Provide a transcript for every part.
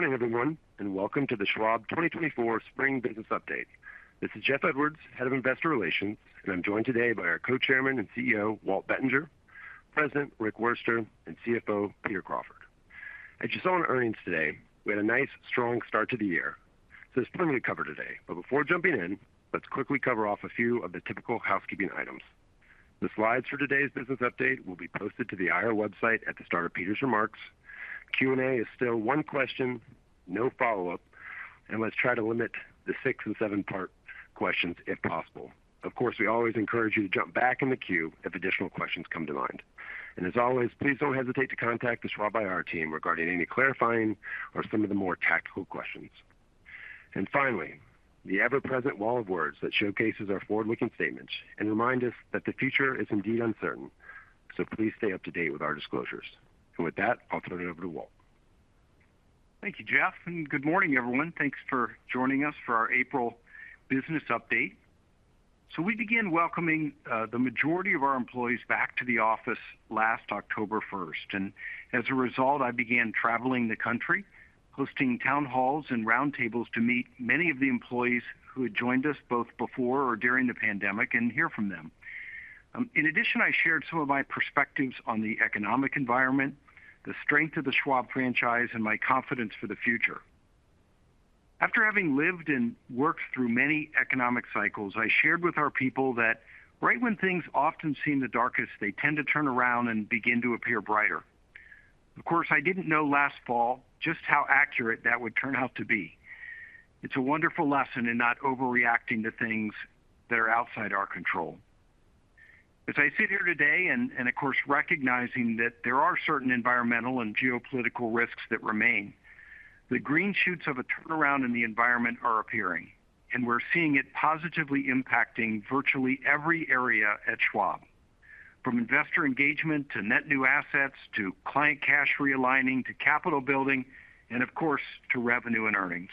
Good morning, everyone, and welcome to the Schwab 2024 Spring Business Update. This is Jeff Edwards, Head of Investor Relations, and I'm joined today by our Co-Chairman and CEO, Walt Bettinger, President Rick Wurster, and CFO Peter Crawford. As you saw in earnings today, we had a nice, strong start to the year, so there's plenty to cover today. But before jumping in, let's quickly cover off a few of the typical housekeeping items. The slides for today's business update will be posted to the IR website at the start of Peter's remarks. Q&A is still one question, no follow-up, and let's try to limit the six- and seven-part questions if possible. Of course, we always encourage you to jump back in the queue if additional questions come to mind. As always, please don't hesitate to contact the Schwab IR team regarding any clarifying or some of the more tactical questions. Finally, the ever-present wall of words that showcases our forward-looking statements and remind us that the future is indeed uncertain. Please stay up to date with our disclosures. With that, I'll turn it over to Walt. Thank you, Jeff, and good morning, everyone. Thanks for joining us for our April business update. So we began welcoming the majority of our employees back to the office last October first, and as a result, I began traveling the country, hosting town halls and round tables to meet many of the employees who had joined us both before or during the pandemic and hear from them. In addition, I shared some of my perspectives on the economic environment, the strength of the Schwab franchise, and my confidence for the future. After having lived and worked through many economic cycles, I shared with our people that right when things often seem the darkest, they tend to turn around and begin to appear brighter. Of course, I didn't know last fall just how accurate that would turn out to be. It's a wonderful lesson in not overreacting to things that are outside our control. As I sit here today and, of course, recognizing that there are certain environmental and geopolitical risks that remain, the green shoots of a turnaround in the environment are appearing, and we're seeing it positively impacting virtually every area at Schwab, from investor engagement, to net new assets, to client cash realigning, to capital building, and of course, to revenue and earnings.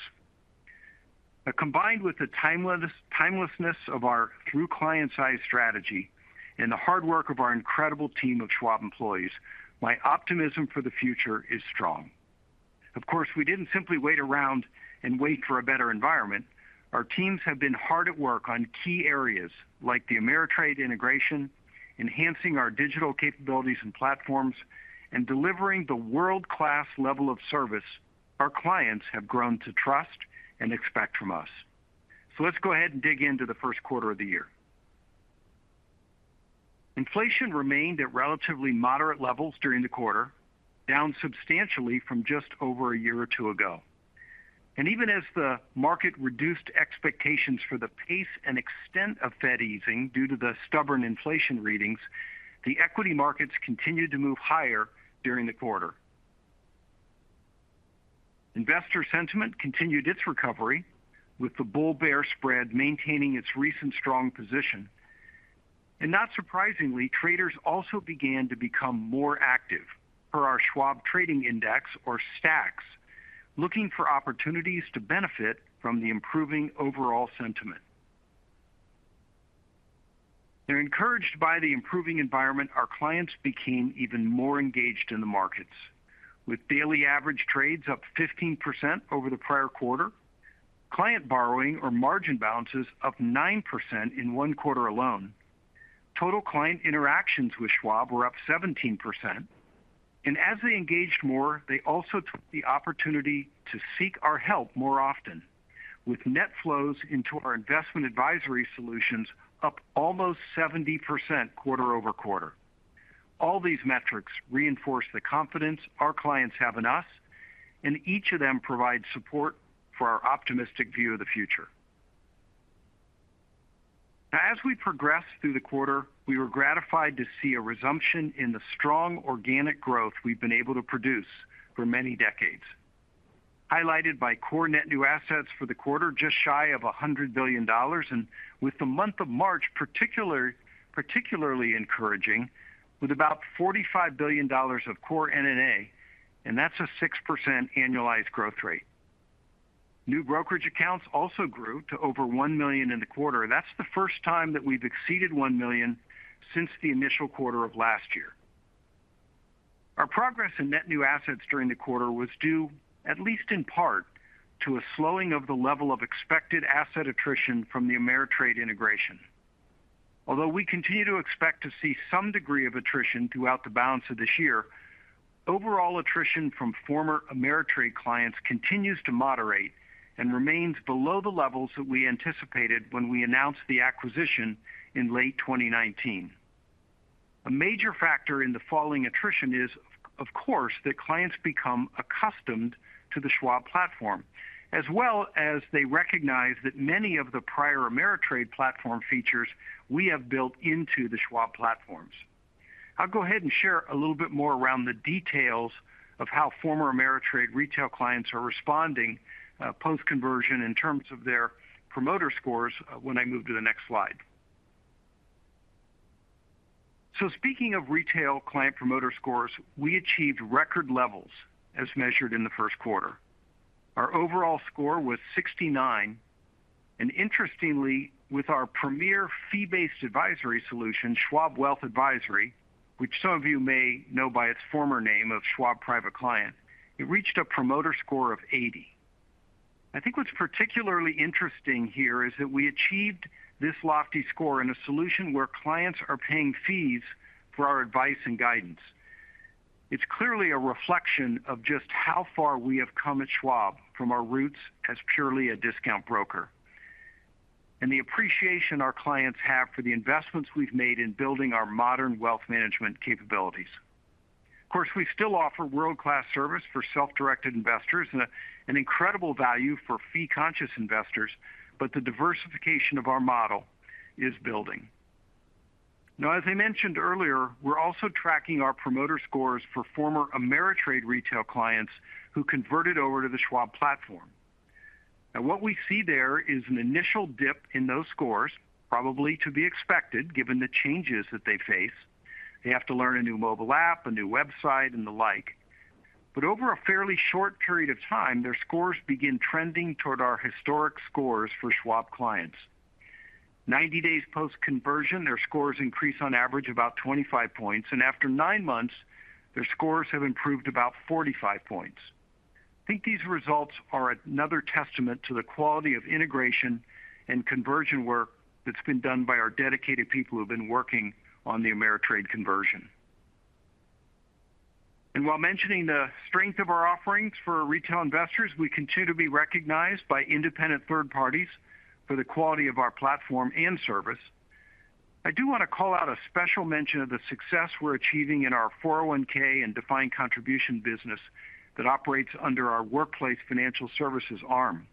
Now, combined with the timelessness of our Through Clients' Eyes strategy and the hard work of our incredible team of Schwab employees, my optimism for the future is strong. Of course, we didn't simply wait around and wait for a better environment. Our teams have been hard at work on key areas like the Ameritrade integration, enhancing our digital capabilities and platforms, and delivering the world-class level of service our clients have grown to trust and expect from us. So let's go ahead and dig into the first quarter of the year. Inflation remained at relatively moderate levels during the quarter, down substantially from just over a year or two ago. And even as the market reduced expectations for the pace and extent of Fed easing due to the stubborn inflation readings, the equity markets continued to move higher during the quarter. Investor sentiment continued its recovery, with the bull-bear spread maintaining its recent strong position. And not surprisingly, traders also began to become more active per our Schwab Trading Index, or STAX, looking for opportunities to benefit from the improving overall sentiment. Encouraged by the improving environment, our clients became even more engaged in the markets, with daily average trades up 15% over the prior quarter, client borrowing or margin balances up 9% in one quarter alone. Total client interactions with Schwab were up 17%, and as they engaged more, they also took the opportunity to seek our help more often, with net flows into our investment advisory solutions up almost 70% quarter-over-quarter. All these metrics reinforce the confidence our clients have in us, and each of them provide support for our optimistic view of the future. Now, as we progress through the quarter, we were gratified to see a resumption in the strong organic growth we've been able to produce for many decades, highlighted by core net new assets for the quarter, just shy of $100 billion, and with the month of March particularly encouraging, with about $45 billion of core NNA, and that's a 6% annualized growth rate. New brokerage accounts also grew to over 1 million in the quarter. That's the first time that we've exceeded 1 million since the initial quarter of last year. Our progress in net new assets during the quarter was due, at least in part, to a slowing of the level of expected asset attrition from the Ameritrade integration. Although we continue to expect to see some degree of attrition throughout the balance of this year, overall attrition from former Ameritrade clients continues to moderate and remains below the levels that we anticipated when we announced the acquisition in late 2019. A major factor in the falling attrition is, of course, that clients become accustomed to the Schwab platform, as well as they recognize that many of the prior Ameritrade platform features we have built into the Schwab platforms. I'll go ahead and share a little bit more around the details of how former Ameritrade retail clients are responding, post-conversion in terms of their promoter scores when I move to the next slide. So speaking of retail Client Promoter Scores, we achieved record levels as measured in the first quarter. Our overall score was 69. Interestingly, with our premier fee-based advisory solution, Schwab Wealth Advisory, which some of you may know by its former name of Schwab Private Client, it reached a promoter score of 80. I think what's particularly interesting here is that we achieved this lofty score in a solution where clients are paying fees for our advice and guidance. It's clearly a reflection of just how far we have come at Schwab from our roots as purely a discount broker, and the appreciation our clients have for the investments we've made in building our modern wealth management capabilities. Of course, we still offer world-class service for self-directed investors and an incredible value for fee-conscious investors, but the diversification of our model is building. Now, as I mentioned earlier, we're also tracking our promoter scores for former Ameritrade retail clients who converted over to the Schwab platform. What we see there is an initial dip in those scores, probably to be expected, given the changes that they face. They have to learn a new mobile app, a new website, and the like. But over a fairly short period of time, their scores begin trending toward our historic scores for Schwab clients. Ninety days post-conversion, their scores increase on average about 25 points, and after nine months, their scores have improved about 45 points. I think these results are another testament to the quality of integration and conversion work that's been done by our dedicated people who've been working on the Ameritrade conversion. And while mentioning the strength of our offerings for retail investors, we continue to be recognized by independent third parties for the quality of our platform and service. I do want to call out a special mention of the success we're achieving in our 401(k) and defined contribution business that operates under our Workplace Financial Services arm.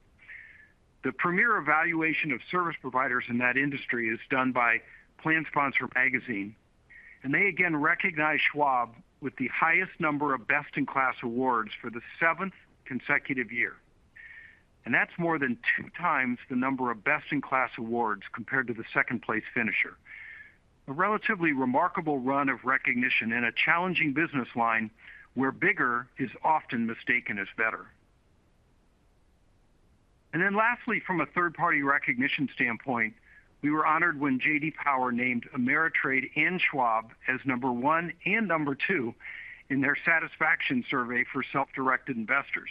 The premier evaluation of service providers in that industry is done by PLANSPONSOR, and they again recognize Schwab with the highest number of Best in Class Awards for the seventh consecutive year. And that's more than two times the number of Best in Class Awards compared to the second-place finisher. A relatively remarkable run of recognition in a challenging business line, where bigger is often mistaken as better. And then lastly, from a third-party recognition standpoint, we were honored when J.D. Power named Ameritrade and Schwab as number one and number two in their satisfaction survey for self-directed investors.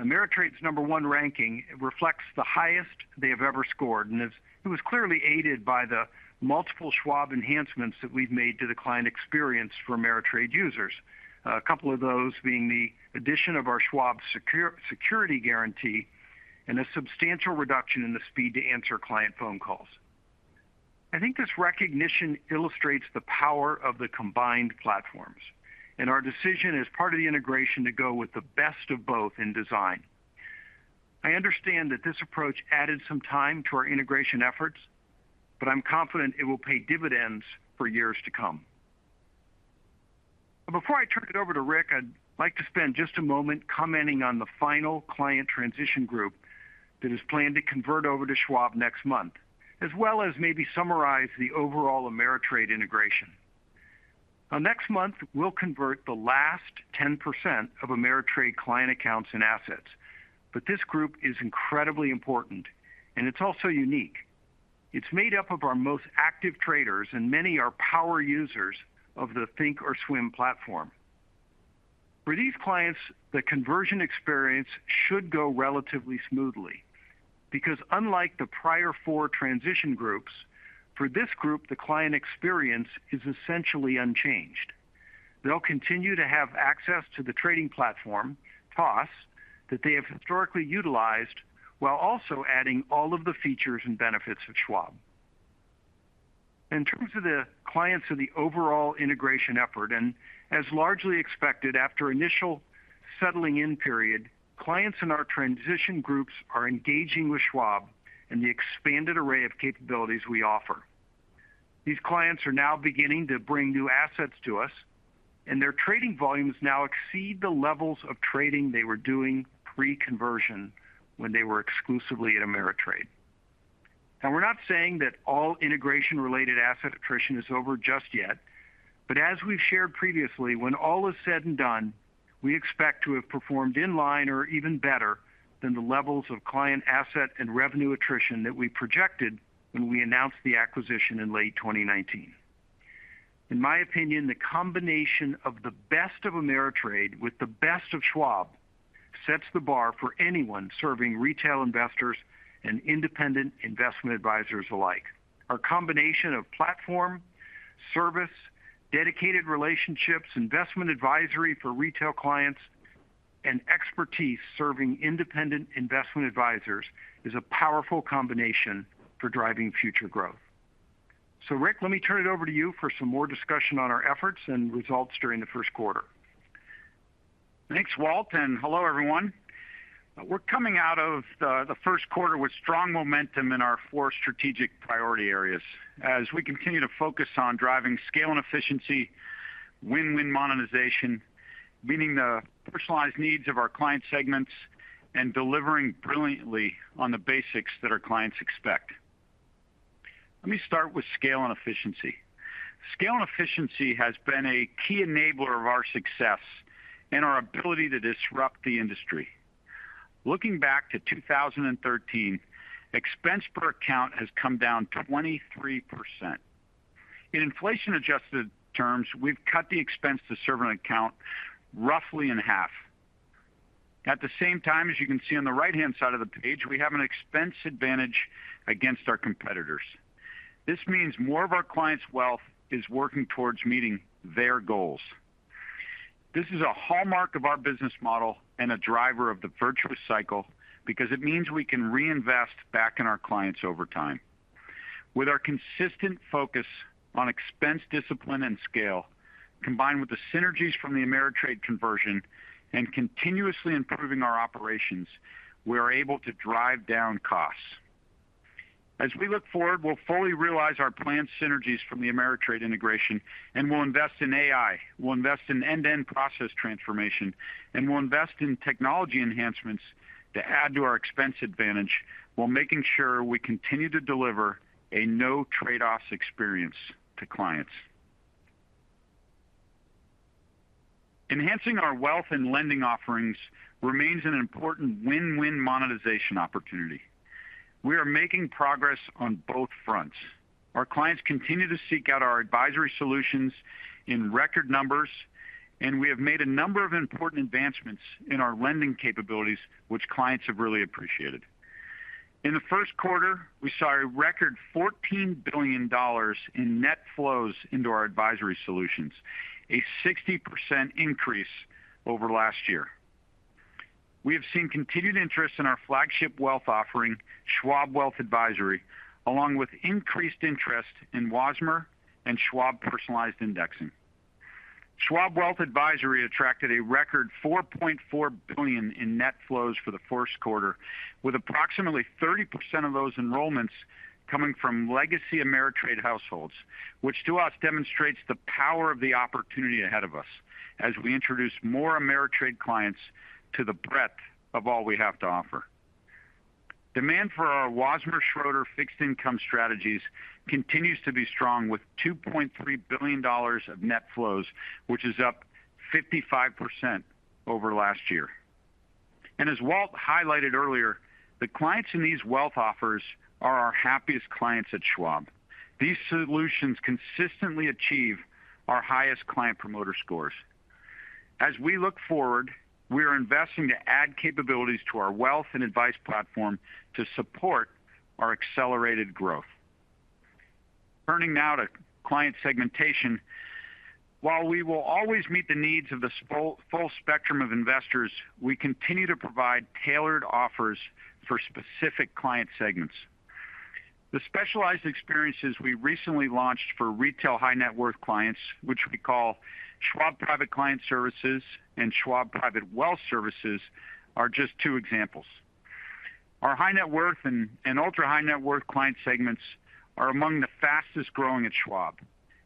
Ameritrade's number one ranking reflects the highest they have ever scored, and it was clearly aided by the multiple Schwab enhancements that we've made to the client experience for Ameritrade users. A couple of those being the addition of our Schwab Security Guarantee and a substantial reduction in the speed to answer client phone calls. I think this recognition illustrates the power of the combined platforms and our decision as part of the integration to go with the best of both in design. I understand that this approach added some time to our integration efforts, but I'm confident it will pay dividends for years to come. Before I turn it over to Rick, I'd like to spend just a moment commenting on the final client transition group that is planned to convert over to Schwab next month, as well as maybe summarize the overall Ameritrade integration. Now, next month, we'll convert the last 10% of Ameritrade client accounts and assets, but this group is incredibly important, and it's also unique. It's made up of our most active traders, and many are power users of the thinkorswim platform. For these clients, the conversion experience should go relatively smoothly because unlike the prior four transition groups, for this group, the client experience is essentially unchanged. They'll continue to have access to the trading platform, TOS, that they have historically utilized, while also adding all of the features and benefits of Schwab. In terms of the clients of the overall integration effort, and as largely expected, after initial settling-in period, clients in our transition groups are engaging with Schwab and the expanded array of capabilities we offer. These clients are now beginning to bring new assets to us, and their trading volumes now exceed the levels of trading they were doing pre-conversion when they were exclusively at Ameritrade. Now, we're not saying that all integration-related asset attrition is over just yet, but as we've shared previously, when all is said and done, we expect to have performed in line or even better than the levels of client asset and revenue attrition that we projected when we announced the acquisition in late 2019. In my opinion, the combination of the best of Ameritrade with the best of Schwab sets the bar for anyone serving retail investors and independent investment advisors alike. Our combination of platform, service, dedicated relationships, investment advisory for retail clients, and expertise serving independent investment advisors is a powerful combination for driving future growth. Rick, let me turn it over to you for some more discussion on our efforts and results during the first quarter. Thanks, Walt, and hello, everyone. We're coming out of the first quarter with strong momentum in our four strategic priority areas as we continue to focus on driving scale and efficiency, win-win monetization, meeting the personalized needs of our client segments, and delivering brilliantly on the basics that our clients expect. Let me start with scale and efficiency. Scale and efficiency has been a key enabler of our success and our ability to disrupt the industry. Looking back to 2013, expense per account has come down 23%. In inflation-adjusted terms, we've cut the expense to serve an account roughly in half. At the same time, as you can see on the right-hand side of the page, we have an expense advantage against our competitors. This means more of our clients' wealth is working towards meeting their goals. This is a hallmark of our business model and a driver of the virtuous cycle because it means we can reinvest back in our clients over time. With our consistent focus on expense, discipline, and scale, combined with the synergies from the Ameritrade conversion and continuously improving our operations, we are able to drive down costs. As we look forward, we'll fully realize our planned synergies from the Ameritrade integration, and we'll invest in AI, we'll invest in end-to-end process transformation, and we'll invest in technology enhancements to add to our expense advantage while making sure we continue to deliver a no trade-offs experience to clients. Enhancing our wealth and lending offerings remains an important win-win monetization opportunity. We are making progress on both fronts. Our clients continue to seek out our advisory solutions in record numbers, and we have made a number of important advancements in our lending capabilities, which clients have really appreciated. In the first quarter, we saw a record $14 billion in net flows into our advisory solutions, a 60% increase over last year. We have seen continued interest in our flagship wealth offering, Schwab Wealth Advisory, along with increased interest in Wasmer and Schwab Personalized Indexing. Schwab Wealth Advisory attracted a record $4.4 billion in net flows for the first quarter, with approximately 30% of those enrollments coming from legacy Ameritrade households, which to us demonstrates the power of the opportunity ahead of us as we introduce more Ameritrade clients to the breadth of all we have to offer. Demand for our Wasmer Schroeder fixed income strategies continues to be strong, with $2.3 billion of net flows, which is up 55% over last year. As Walt highlighted earlier, the clients in these wealth offers are our happiest clients at Schwab. These solutions consistently achieve our highest Client Promoter Scores. As we look forward, we are investing to add capabilities to our wealth and advice platform to support our accelerated growth. Turning now to client segmentation. While we will always meet the needs of the full spectrum of investors, we continue to provide tailored offers for specific client segments. The specialized experiences we recently launched for retail high-net-worth clients, which we call Schwab Private Client Services and Schwab Private Wealth Services, are just two examples. Our high net worth and ultra high net worth client segments are among the fastest growing at Schwab,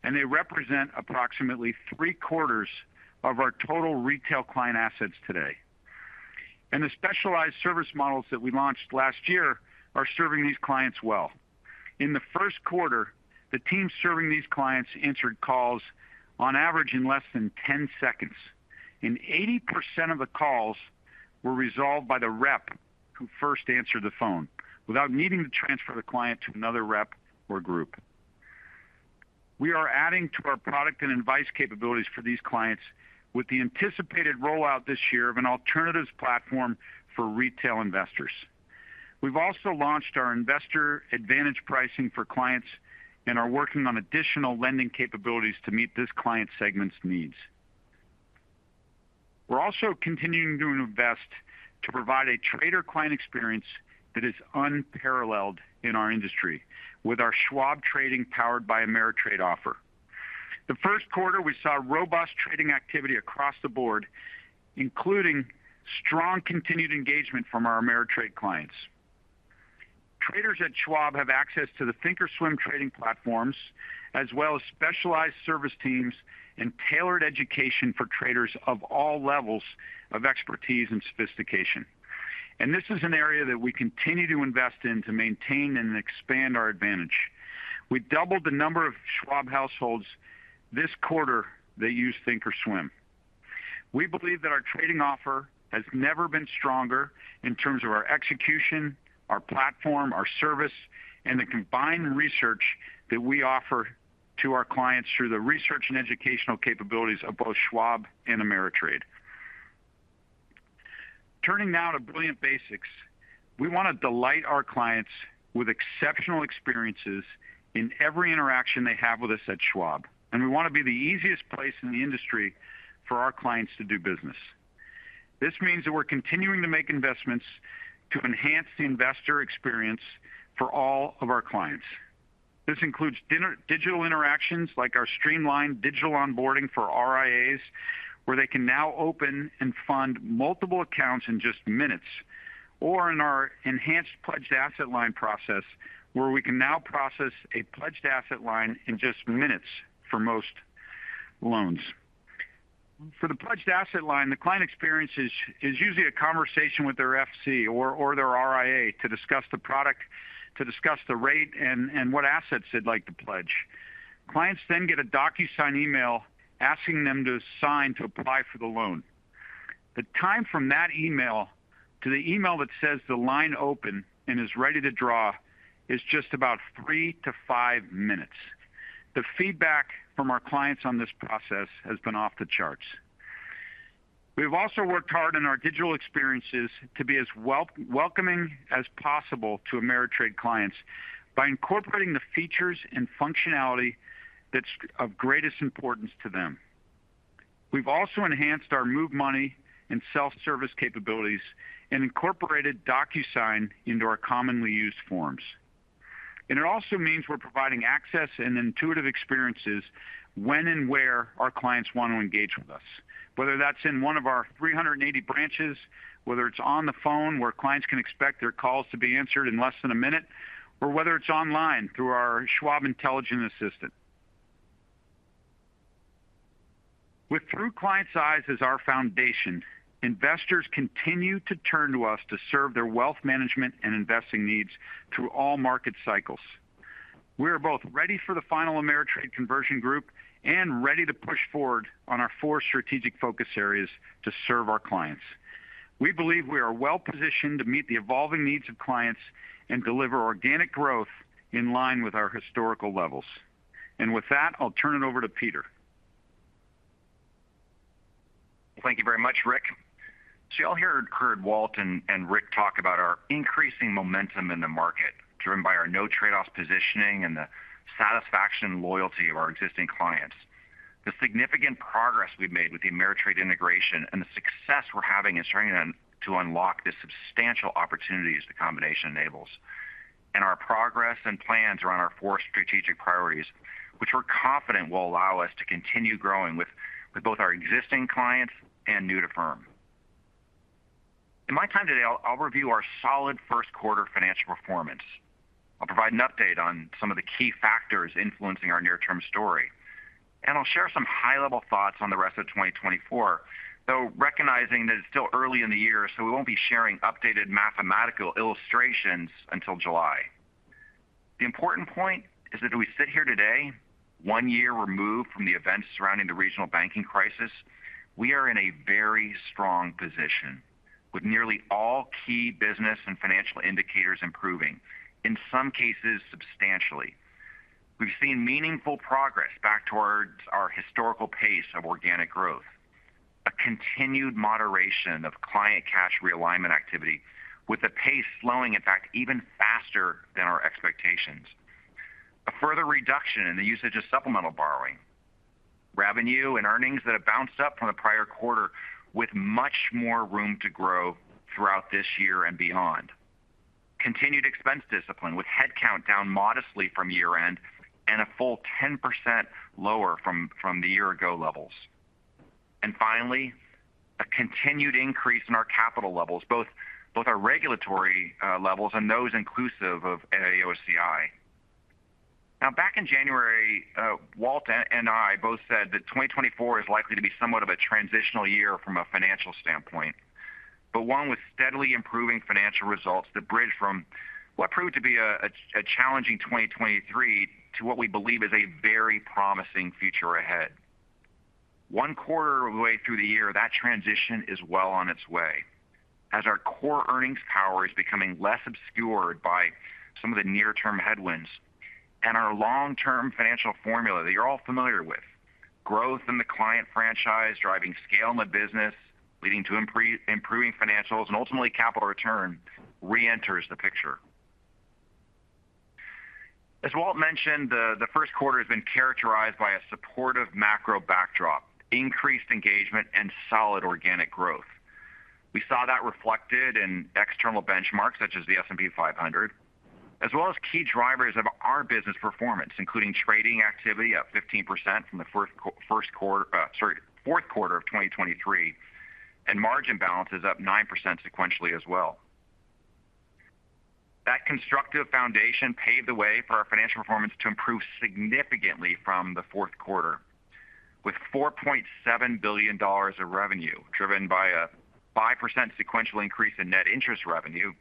and they represent approximately three-quarters of our total retail client assets today. The specialized service models that we launched last year are serving these clients well. In the first quarter, the team serving these clients answered calls on average in less than 10 seconds, and 80% of the calls were resolved by the rep who first answered the phone without needing to transfer the client to another rep or group. We are adding to our product and advice capabilities for these clients with the anticipated rollout this year of an alternatives platform for retail investors. We've also launched our Investor Advantage Pricing for clients and are working on additional lending capabilities to meet this client segment's needs. We're also continuing to invest to provide a trader client experience that is unparalleled in our industry with our Schwab Trading Powered by Ameritrade offer. The first quarter, we saw robust trading activity across the board, including strong continued engagement from our Ameritrade clients. Traders at Schwab have access to the thinkorswim trading platforms, as well as specialized service teams and tailored education for traders of all levels of expertise and sophistication. And this is an area that we continue to invest in to maintain and expand our advantage. We doubled the number of Schwab households this quarter that use thinkorswim. We believe that our trading offer has never been stronger in terms of our execution, our platform, our service, and the combined research that we offer to our clients through the research and educational capabilities of both Schwab and Ameritrade. Turning now to brilliant basics, we want to delight our clients with exceptional experiences in every interaction they have with us at Schwab, and we want to be the easiest place in the industry for our clients to do business. This means that we're continuing to make investments to enhance the investor experience for all of our clients. This includes digital interactions like our streamlined digital onboarding for RIAs, where they can now open and fund multiple accounts in just minutes, or in our enhanced Pledged Asset Line process, where we can now process a Pledged Asset Line in just minutes for most loans. For the Pledged Asset Line, the client experience is usually a conversation with their FC or their RIA to discuss the product, to discuss the rate and what assets they'd like to pledge. Clients then get a DocuSign email asking them to sign to apply for the loan. The time from that email to the email that says the line open and is ready to draw is just about three to five minutes. The feedback from our clients on this process has been off the charts. We've also worked hard on our digital experiences to be as welcoming as possible to Ameritrade clients by incorporating the features and functionality that's of greatest importance to them. We've also enhanced our Move Money and self-service capabilities and incorporated DocuSign into our commonly used forms. It also means we're providing access and intuitive experiences when and where our clients want to engage with us, whether that's in one of our 380 branches, whether it's on the phone, where clients can expect their calls to be answered in less than a minute, or whether it's online through our Schwab Intelligent Assistant. With "through clients' eyes" as our foundation, investors continue to turn to us to serve their wealth management and investing needs through all market cycles. We are both ready for the final Ameritrade conversion group and ready to push forward on our four strategic focus areas to serve our clients. We believe we are well positioned to meet the evolving needs of clients and deliver organic growth in line with our historical levels. With that, I'll turn it over to Peter. Thank you very much, Rick. So you all heard Walt and Rick talk about our increasing momentum in the market, driven by our no trade-offs positioning and the satisfaction and loyalty of our existing clients. The significant progress we've made with the Ameritrade integration, and the success we're having in starting to unlock the substantial opportunities the combination enables. Our progress and plans around our four strategic priorities, which we're confident will allow us to continue growing with both our existing clients and new to firm. In my time today, I'll review our solid first quarter financial performance. I'll provide an update on some of the key factors influencing our near-term story, and I'll share some high-level thoughts on the rest of 2024. Though, recognizing that it's still early in the year, so we won't be sharing updated mathematical illustrations until July. The important point is that as we sit here today, one year removed from the events surrounding the regional banking crisis, we are in a very strong position, with nearly all key business and financial indicators improving, in some cases, substantially. We've seen meaningful progress back towards our historical pace of organic growth, a continued moderation of client cash realignment activity, with the pace slowing, in fact, even faster than our expectations. A further reduction in the usage of supplemental borrowing. Revenue and earnings that have bounced up from the prior quarter with much more room to grow throughout this year and beyond. Continued expense discipline, with headcount down modestly from year-end, and a full 10% lower from the year ago levels. And finally, a continued increase in our capital levels, both our regulatory levels and those inclusive of AOCI. Now, back in January, Walt and I both said that 2024 is likely to be somewhat of a transitional year from a financial standpoint, but one with steadily improving financial results that bridge from what proved to be a challenging 2023 to what we believe is a very promising future ahead. One quarter of the way through the year, that transition is well on its way, as our core earnings power is becoming less obscured by some of the near-term headwinds. And our long-term financial formula that you're all familiar with, growth in the client franchise, driving scale in the business, leading to improving financials, and ultimately capital return, reenters the picture. As Walt mentioned, the first quarter has been characterized by a supportive macro backdrop, increased engagement, and solid organic growth. We saw that reflected in external benchmarks, such as the S&P 500, as well as key drivers of our business performance, including trading activity, up 15% from the fourth quarter of 2023, and margin balances up 9% sequentially as well. That constructive foundation paved the way for our financial performance to improve significantly from the fourth quarter, with $4.7 billion of revenue, driven by a 5% sequential increase in net interest revenue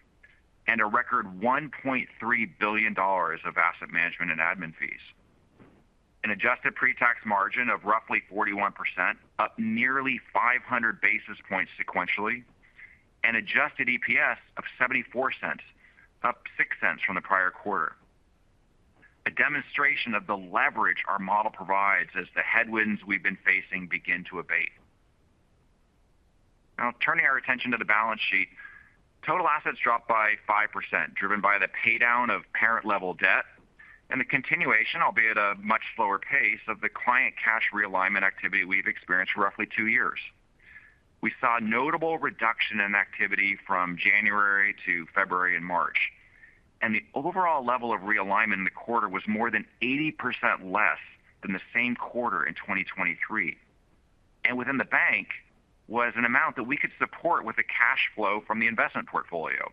and a record $1.3 billion of asset management and admin fees. An adjusted pre-tax margin of roughly 41%, up nearly 500 basis points sequentially, and adjusted EPS of $0.74, up $0.06 from the prior quarter. A demonstration of the leverage our model provides as the headwinds we've been facing begin to abate. Now, turning our attention to the balance sheet, total assets dropped by 5%, driven by the paydown of parent level debt and the continuation, albeit at a much slower pace, of the client cash realignment activity we've experienced for roughly two years. We saw a notable reduction in activity from January to February and March, and the overall level of realignment in the quarter was more than 80% less than the same quarter in 2023, and within the bank was an amount that we could support with the cash flow from the investment portfolio,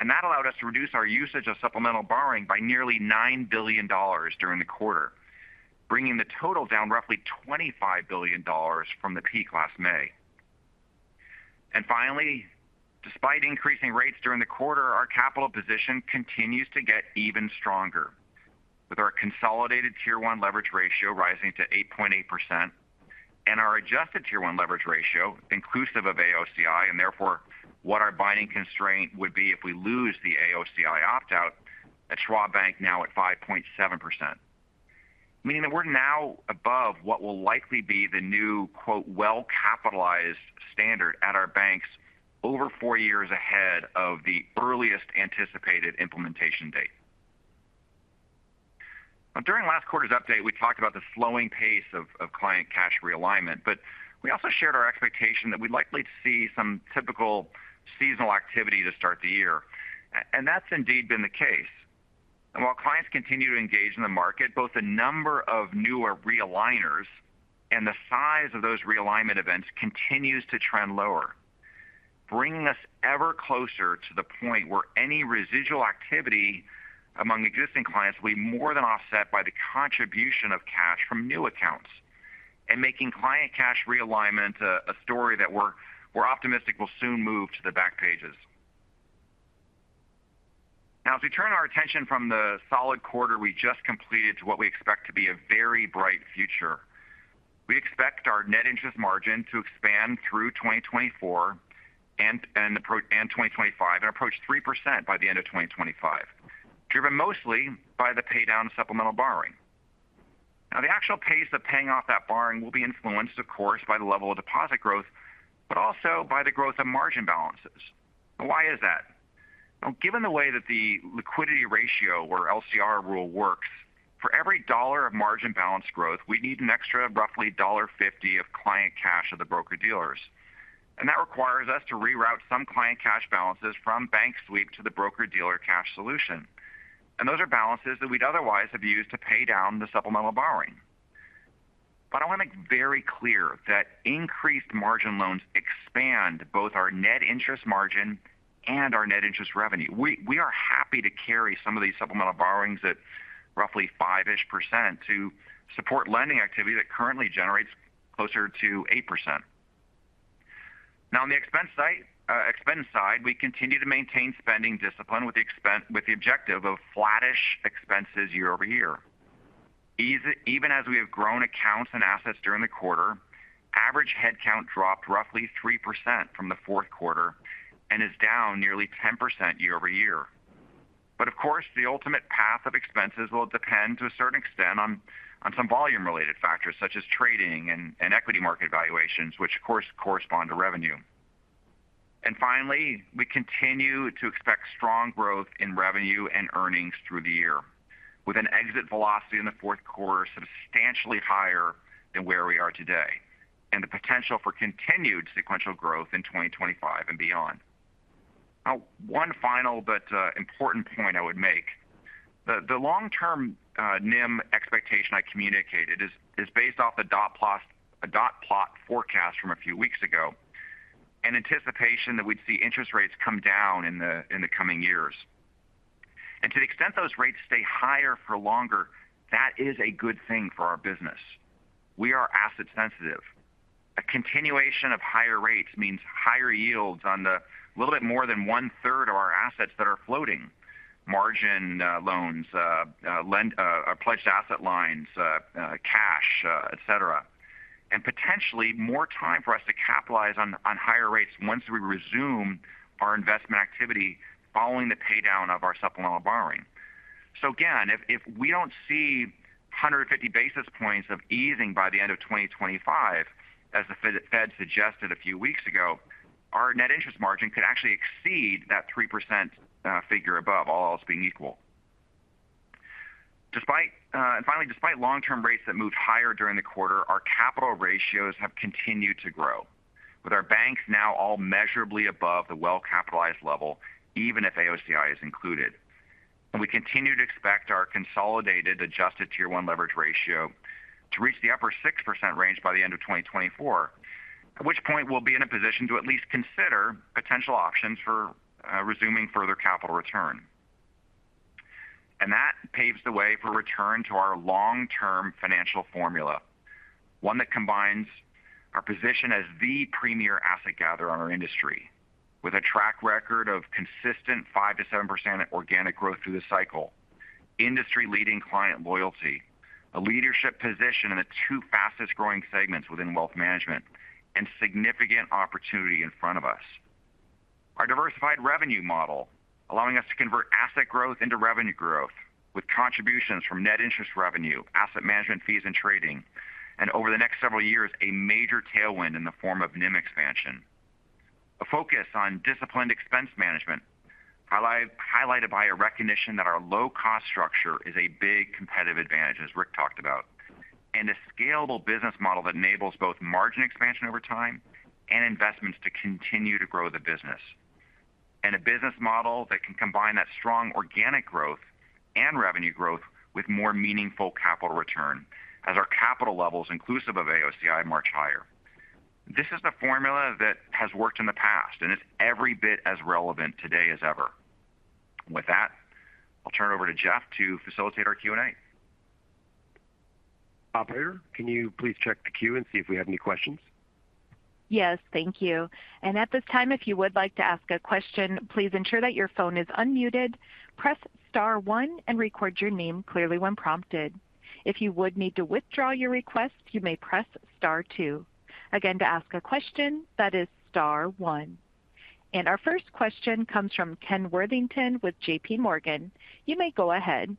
and that allowed us to reduce our usage of supplemental borrowing by nearly $9 billion during the quarter, bringing the total down roughly $25 billion from the peak last May. And finally, despite increasing rates during the quarter, our capital position continues to get even stronger, with our consolidated Tier 1 leverage ratio rising to 8.8%, and our adjusted Tier 1 leverage ratio, inclusive of AOCI, and therefore what our binding constraint would be if we lose the AOCI opt-out at Schwab Bank now at 5.7%. Meaning that we're now above what will likely be the new, quote, "well-capitalized standard at our banks over four years ahead of the earliest anticipated implementation date." Now, during last quarter's update, we talked about the slowing pace of client cash realignment, but we also shared our expectation that we'd likely to see some typical seasonal activity to start the year. And that's indeed been the case. While clients continue to engage in the market, both the number of newer realigners and the size of those realignment events continues to trend lower, bringing us ever closer to the point where any residual activity among existing clients will be more than offset by the contribution of cash from new accounts, and making client cash realignment a story that we're optimistic will soon move to the back pages. Now, as we turn our attention from the solid quarter we just completed to what we expect to be a very bright future, we expect our net interest margin to expand through 2024 and 2025, and approach 3% by the end of 2025, driven mostly by the pay down of supplemental borrowing. Now, the actual pace of paying off that borrowing will be influenced, of course, by the level of deposit growth, but also by the growth of margin balances. Why is that? Well, given the way that the liquidity ratio or LCR rule works, for every dollar of margin balance growth, we need an extra roughly $1.50 of client cash at the broker-dealers. And that requires us to reroute some client cash balances from bank sweep to the broker-dealer cash solution. And those are balances that we'd otherwise have used to pay down the supplemental borrowing. But I want to make very clear that increased margin loans expand both our net interest margin and our net interest revenue. We are happy to carry some of these supplemental borrowings at roughly 5%-ish to support lending activity that currently generates closer to 8%. Now, on the expense site, expense side, we continue to maintain spending discipline with the objective of flattish expenses year-over-year. Even as we have grown accounts and assets during the quarter, average headcount dropped roughly 3% from the fourth quarter and is down nearly 10% year-over-year. But of course, the ultimate path of expenses will depend to a certain extent on some volume-related factors, such as trading and equity market valuations, which of course correspond to revenue. And finally, we continue to expect strong growth in revenue and earnings through the year, with an exit velocity in the fourth quarter substantially higher than where we are today, and the potential for continued sequential growth in 2025 and beyond. Now, one final but important point I would make. The long-term NIM expectation I communicated is based off a dot plot forecast from a few weeks ago, in anticipation that we'd see interest rates come down in the coming years. To the extent those rates stay higher for longer, that is a good thing for our business. We are asset sensitive. A continuation of higher rates means higher yields on the little bit more than one-third of our assets that are floating, margin loans, Pledged Asset Line, cash, etc. Potentially more time for us to capitalize on higher rates once we resume our investment activity following the paydown of our supplemental borrowing. So again, if we don't see 150 basis points of easing by the end of 2025, as the Fed suggested a few weeks ago, our net interest margin could actually exceed that 3% figure above, all else being equal. Despite and finally, despite long-term rates that moved higher during the quarter, our capital ratios have continued to grow, with our banks now all measurably above the well-capitalized level, even if AOCI is included. We continue to expect our consolidated adjusted Tier 1 leverage ratio to reach the upper 6% range by the end of 2024, at which point we'll be in a position to at least consider potential options for resuming further capital return. And that paves the way for a return to our long-term financial formula, one that combines our position as the premier asset gatherer on our industry, with a track record of consistent 5%-7% organic growth through the cycle, industry-leading client loyalty, a leadership position in the two fastest growing segments within wealth management, and significant opportunity in front of us. Our diversified revenue model, allowing us to convert asset growth into revenue growth, with contributions from net interest revenue, asset management fees, and trading, and over the next several years, a major tailwind in the form of NIM expansion. A focus on disciplined expense management, highlighted by a recognition that our low-cost structure is a big competitive advantage, as Rick talked about, and a scalable business model that enables both margin expansion over time and investments to continue to grow the business. And a business model that can combine that strong organic growth and revenue growth with more meaningful capital return, as our capital levels, inclusive of AOCI, march higher. This is the formula that has worked in the past, and it's every bit as relevant today as ever. With that, I'll turn it over to Jeff to facilitate our Q&A. Operator, can you please check the queue and see if we have any questions? Yes, thank you. At this time, if you would like to ask a question, please ensure that your phone is unmuted, press star one and record your name clearly when prompted. If you would need to withdraw your request, you may press star two. Again, to ask a question, that is star one. Our first question comes from Ken Worthington with JPMorgan. You may go ahead.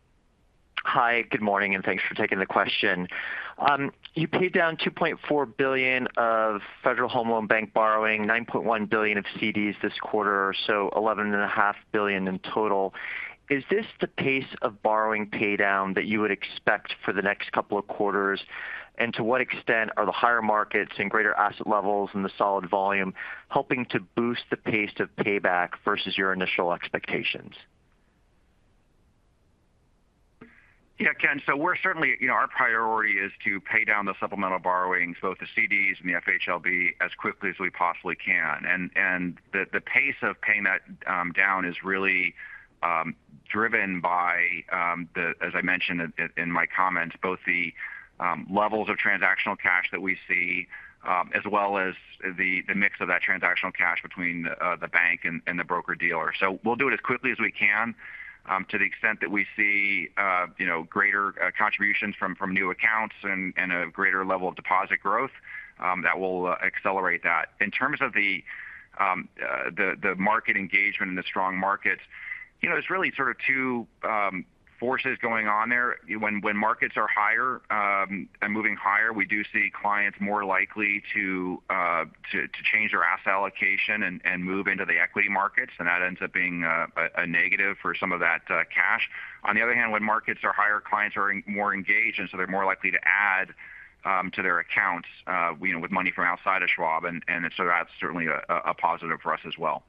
Hi, good morning, and thanks for taking the question. You paid down $2.4 billion of Federal Home Loan Bank borrowing, $9.1 billion of CDs this quarter, so $11.5 billion in total. Is this the pace of borrowing paydown that you would expect for the next couple of quarters? And to what extent are the higher markets and greater asset levels and the solid volume helping to boost the pace of payback versus your initial expectations? Yeah, Ken, so we're certainly, you know, our priority is to pay down the supplemental borrowings, both the CDs and the FHLB, as quickly as we possibly can. And the pace of paying that down is really driven by, as I mentioned in my comments, both the levels of transactional cash that we see, as well as the mix of that transactional cash between the bank and the broker-dealer. So we'll do it as quickly as we can. To the extent that we see, you know, greater contributions from new accounts and a greater level of deposit growth, that will accelerate that. In terms of the market engagement and the strong markets, you know, there's really sort of two forces going on there. When markets are higher and moving higher, we do see clients more likely to to change their asset allocation and move into the equity markets, and that ends up being a negative for some of that cash. On the other hand, when markets are higher, clients are more engaged, and so they're more likely to add to their accounts, you know, with money from outside of Schwab, and so that's certainly a positive for us as well.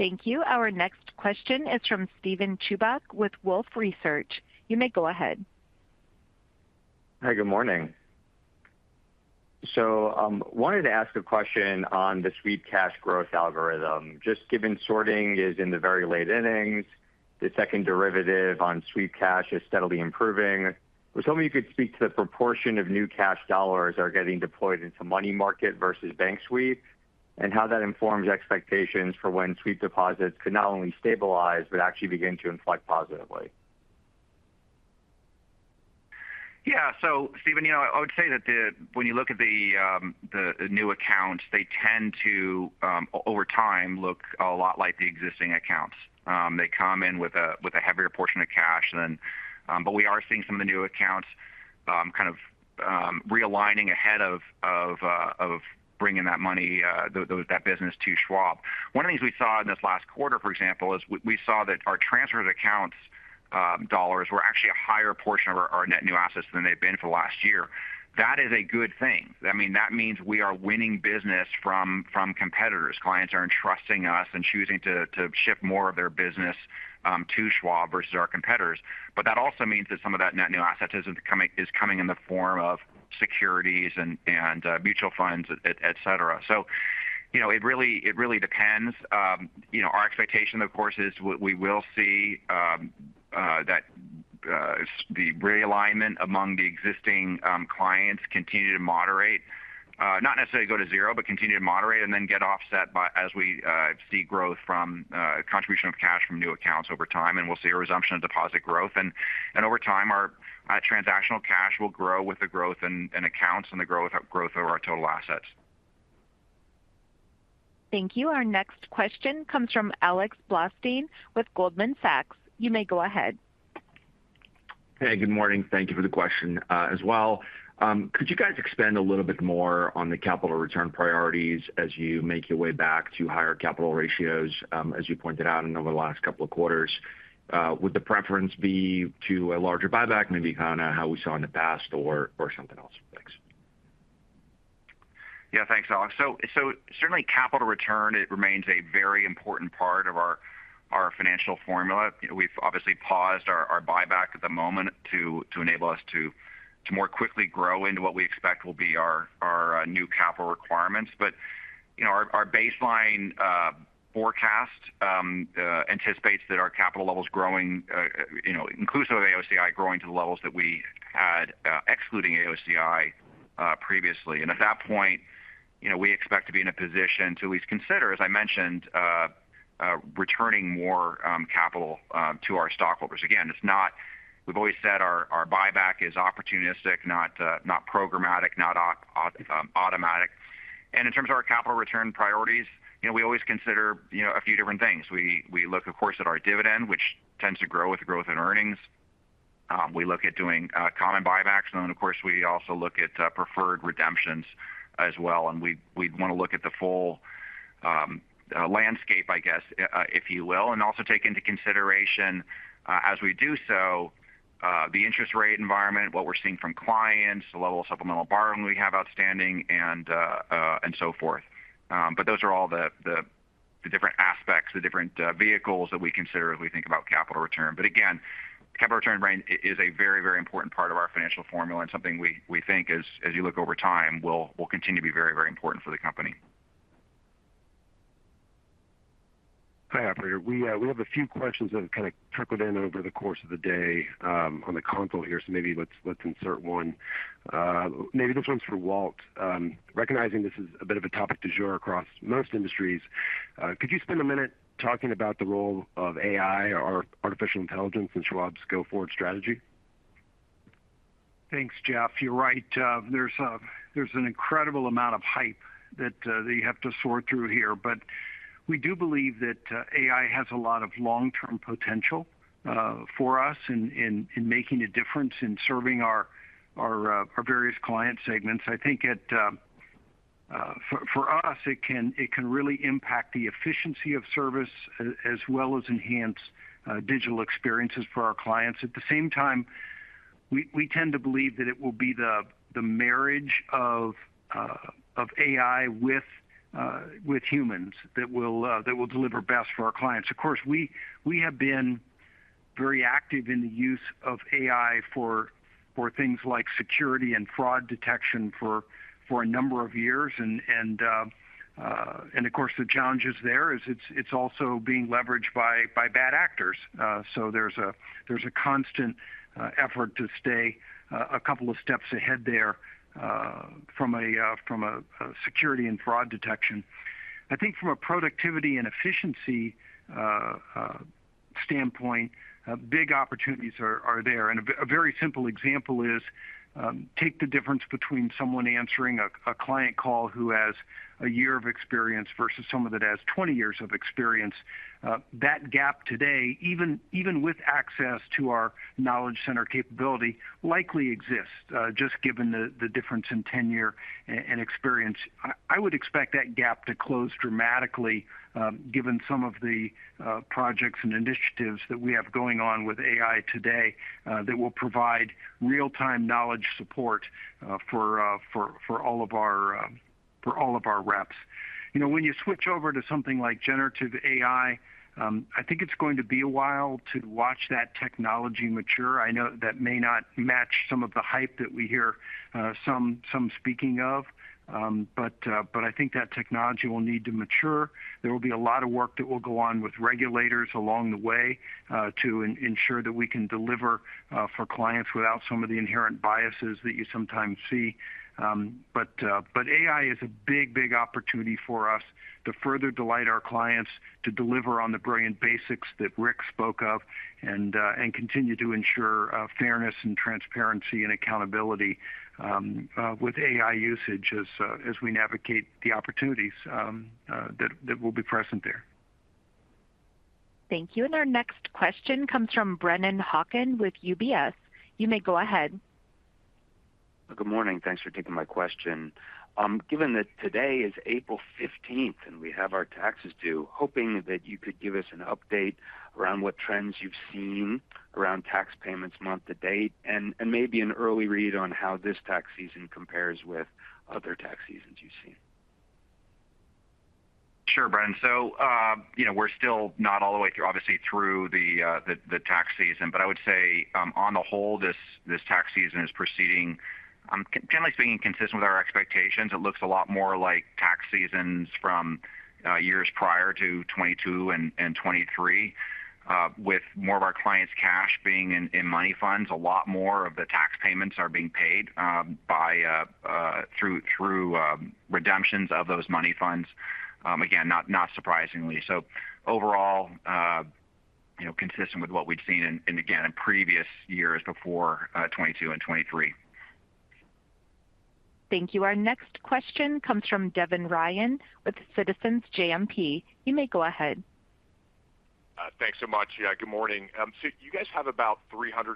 Thank you. Our next question is from Steven Chubak with Wolfe Research. You may go ahead. Hi, good morning. So, wanted to ask a question on the sweep cash growth algorithm. Just given sorting is in the very late innings, the second derivative on sweep cash is steadily improving. I was hoping you could speak to the proportion of new cash dollars are getting deployed into money market versus bank sweep, and how that informs expectations for when sweep deposits could not only stabilize but actually begin to inflect positively. Yeah. So, Steven, you know, I would say that when you look at the new accounts, they tend to over time look a lot like the existing accounts. They come in with a heavier portion of cash than, but we are seeing some of the new accounts kind of realigning ahead of bringing that money that business to Schwab. One of the things we saw in this last quarter, for example, is we saw that our transfer of accounts dollars were actually a higher portion of our net new assets than they've been for the last year. That is a good thing. I mean, that means we are winning business from competitors. Clients are entrusting us and choosing to shift more of their business to Schwab versus our competitors. But that also means that some of that net new asset is coming in the form of securities and mutual funds, etc. So, you know, it really depends. Our expectation, of course, is we will see that the realignment among the existing clients continue to moderate. Not necessarily go to zero, but continue to moderate and then get offset by as we see growth from contribution of cash from new accounts over time, and we'll see a resumption of deposit growth. And over time, our transactional cash will grow with the growth in accounts and the growth of our total assets. Thank you. Our next question comes from Alex Blostein with Goldman Sachs. You may go ahead. Hey, good morning. Thank you for the question, as well. Could you guys expand a little bit more on the capital return priorities as you make your way back to higher capital ratios, as you pointed out and over the last couple of quarters? Would the preference be to a larger buyback, maybe kinda how we saw in the past or, or something else? Thanks. Yeah, thanks, Alex. So certainly capital return, it remains a very important part of our financial formula. We've obviously paused our buyback at the moment to enable us to more quickly grow into what we expect will be our new capital requirements. But you know, our baseline forecast anticipates that our capital levels growing, you know, inclusive of AOCI, growing to the levels that we had excluding AOCI previously. And at that point, you know, we expect to be in a position to at least consider, as I mentioned, returning more capital to our stockholders. Again, it's not, we've always said our buyback is opportunistic, not not programmatic, not automatic. In terms of our capital return priorities, you know, we always consider, you know, a few different things. We look, of course, at our dividend, which tends to grow with the growth in earnings. We look at doing common buybacks, and then, of course, we also look at preferred redemptions as well. And we, we'd want to look at the full landscape, I guess, if you will, and also take into consideration, as we do so, the interest rate environment, what we're seeing from clients, the level of supplemental borrowing we have outstanding, and so forth. But those are all the different aspects, the different vehicles that we consider as we think about capital return. But again, capital return range is a very, very important part of our financial formula and something we think as you look over time, will continue to be very, very important for the company. Hi, Operator. We, we have a few questions that have kind of trickled in over the course of the day, on the console here, so maybe let's, let's insert one. Maybe this one's for Walt. Recognizing this is a bit of a topic du jour across most industries, could you spend a minute talking about the role of AI or artificial intelligence in Schwab's go-forward strategy? Thanks, Jeff. You're right. There's an incredible amount of hype that you have to sort through here. But we do believe that AI has a lot of long-term potential for us in making a difference in serving our various client segments. I think it for us, it can really impact the efficiency of service as well as enhance digital experiences for our clients. At the same time, we tend to believe that it will be the marriage of AI with humans that will deliver best for our clients. Of course, we have been very active in the use of AI for things like security and fraud detection for a number of years. And of course, the challenges there is it's also being leveraged by bad actors. So there's a constant effort to stay a couple of steps ahead there from a security and fraud detection. I think from a productivity and efficiency standpoint, big opportunities are there. And a very simple example is, take the difference between someone answering a client call who has a year of experience versus someone that has 20 years of experience. That gap today, even with access to our Knowledge Center capability, likely exists, just given the difference in tenure and experience. I would expect that gap to close dramatically, given some of the projects and initiatives that we have going on with AI today, that will provide real-time knowledge support, for all of our reps. You know, when you switch over to something like generative AI, I think it's going to be a while to watch that technology mature. I know that may not match some of the hype that we hear, some speaking of, but I think that technology will need to mature. There will be a lot of work that will go on with regulators along the way, to ensure that we can deliver, for clients without some of the inherent biases that you sometimes see. But AI is a big, big opportunity for us to further delight our clients, to deliver on the brilliant basics that Rick spoke of, and continue to ensure fairness and transparency and accountability with AI usage as we navigate the opportunities that will be present there. Thank you. And our next question comes from Brennan Hawken with UBS. You may go ahead. Good morning. Thanks for taking my question. Given that today is April fifteenth and we have our taxes due, hoping that you could give us an update around what trends you've seen around tax payments month to date, and maybe an early read on how this tax season compares with other tax seasons you've seen. Sure, Brennan. So, you know, we're still not all the way through, obviously, through the tax season, but I would say, on the whole, this tax season is proceeding, generally speaking, consistent with our expectations. It looks a lot more like tax seasons from years prior to 2022 and 2023. With more of our clients' cash being in money funds, a lot more of the tax payments are being paid through redemptions of those money funds. Again, not surprisingly. So overall, you know, consistent with what we'd seen in previous years before 2022 and 2023. Thank you. Our next question comes from Devin Ryan with Citizens JMP. You may go ahead. Thanks so much. Yeah, good morning. So you guys have about $350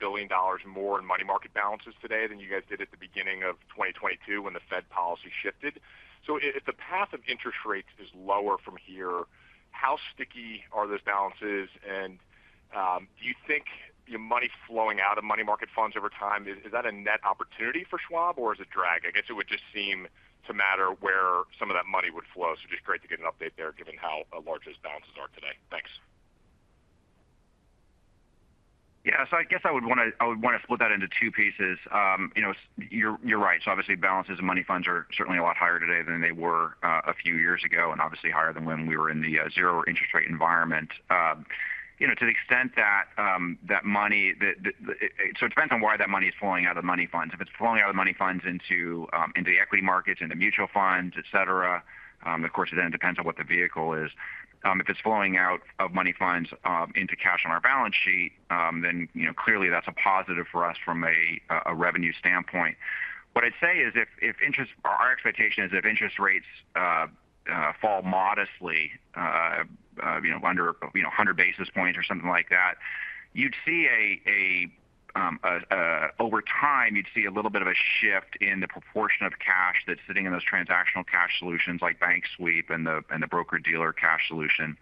billion more in money market balances today than you guys did at the beginning of 2022 when the Fed policy shifted. So if the path of interest rates is lower from here, how sticky are those balances? And, do you think money flowing out of money market funds over time, is that a net opportunity for Schwab or is it drag? I guess it would just seem to matter where some of that money would flow, so just great to get an update there given how large balances are today. Thanks. Yeah, so I guess I would want to split that into two pieces. You know, you're right. So obviously, balances and money funds are certainly a lot higher today than they were a few years ago, and obviously higher than when we were in the zero interest rate environment. You know, to the extent that that money, so it depends on why that money is flowing out of money funds. If it's flowing out of money funds into into the equity markets, into mutual funds, etc., of course, it then depends on what the vehicle is. If it's flowing out of money funds into cash on our balance sheet, then you know, clearly that's a positive for us from a revenue standpoint. What I'd say is our expectation is if interest rates fall modestly, you know, under 100 basis points or something like that, you'd see over time a little bit of a shift in the proportion of cash that's sitting in those transactional cash solutions like bank sweep and the broker-dealer cash solution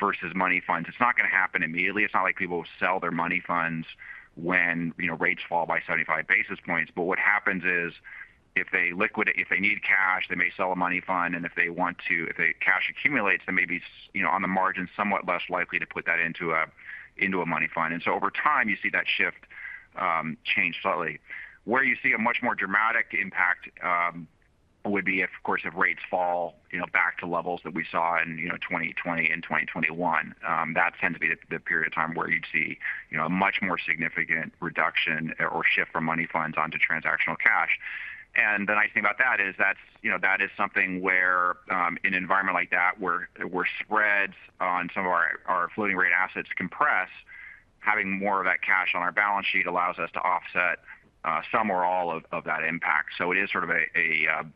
versus money funds. It's not going to happen immediately. It's not like people will sell their money funds when, you know, rates fall by 75 basis points. But what happens is, if they need cash, they may sell a money fund, and if cash accumulates, they may be you know, on the margin, somewhat less likely to put that into a money fund. And so over time, you see that shift, change slightly. Where you see a much more dramatic impact, would be if, of course, if rates fall, you know, back to levels that we saw in, you know, 2020 and 2021. That tends to be the period of time where you'd see, you know, a much more significant reduction or shift from money funds onto transactional cash. And the nice thing about that is that's, you know, that is something where, in an environment like that, where spreads on some of our floating rate assets compress, having more of that cash on our balance sheet allows us to offset, some or all of that impact. So it is sort of